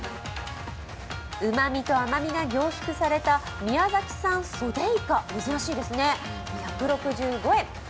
うまみと甘みが凝縮された宮崎産そでいか珍しいですね、１６５円。